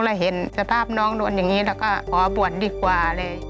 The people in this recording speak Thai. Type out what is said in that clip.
แล้วเห็นสภาพน้องโดนอย่างนี้แล้วก็ขอบวชดีกว่าเลย